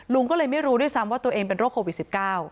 ลุงก็เลยไม่รู้ด้วยซ้ำว่าตัวเองเป็นโรคโควิด๑๙